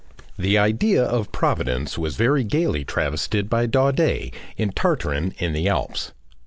The idea of Providence was very gaily travested by Daudet in "Tartarin in the Alps."